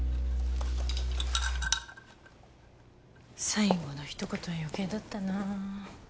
最後の一言は余計だったなぁ。